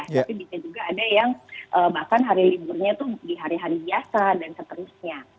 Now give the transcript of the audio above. tapi bisa juga ada yang bahkan hari liburnya tuh di hari hari biasa dan seterusnya